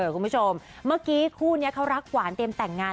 คุณผู้ชมเมื่อกี้คู่นี้เขารักหวานเตรียมแต่งงาน